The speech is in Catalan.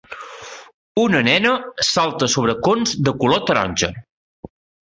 Una nena salta sobre cons de color taronja.